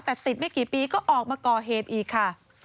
แต่ติดไม่กี่ปีก็ออกมาก่อเหตุอีกค่ะ